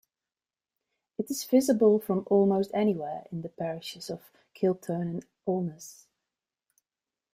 It is visible from almost anywhere in the parishes of Kiltearn and Alness.